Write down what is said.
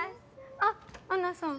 あっアンナさん